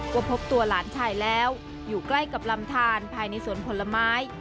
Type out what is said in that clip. ก็พบตัวหลานชายแล้วอยู่ใกล้กับลำทานภายในสวนผลไม้